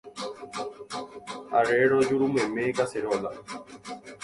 Arriéro jurumeme kaseróla.